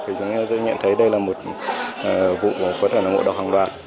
thì chúng tôi nhận thấy đây là một vụ của quân hành ngộ độc hàng đoàn